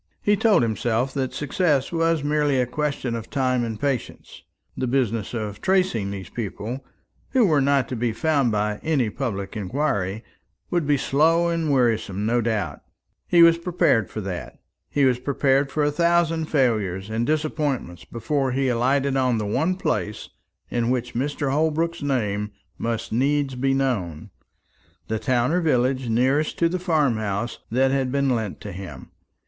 He told himself that success was merely a question of time and patience. The business of tracing these people, who were not to be found by any public inquiry, would be slow and wearisome no doubt. He was prepared for that. He was prepared for a thousand failures and disappointments before he alighted on the one place in which Mr. Holbrook's name must needs be known, the town or village nearest to the farm house that had been lent to him.